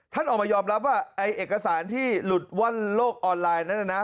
ท่านออกมายอมรับว่าเองกระสานที่หลุดว่านโรคออนไลน์นั้น